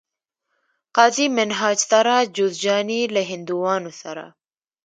قاضي منهاج سراج جوزجاني له هندوانو سره